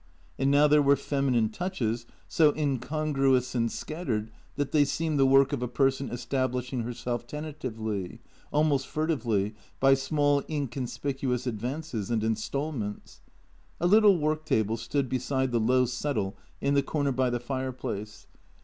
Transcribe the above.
And now there were feminine touches, so incongruous and scattered that they seemed the work of a person establishing herself tentatively, almost furtively, by small incon spicuous advances and instalments. A little work table stood beside the low settle in the corner by the fireplace.